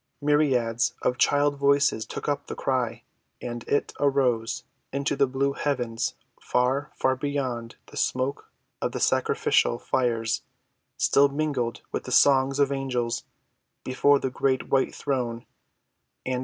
Myriads of child voices took up the cry, and it arose into the blue heavens far—far beyond the smoke of the sacrificial fires, till it mingled with the songs of angels before the great white throne.